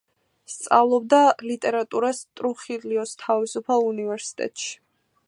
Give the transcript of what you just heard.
სწავლობდა ლიტერატურას ტრუხილიოს თავისუფალ უნივერსიტეტში.